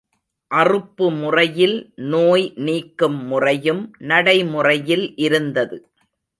அறுப்பு முறையில் நோய் நீக்கும் முறையும் நடைமுறையில் இருந்தது.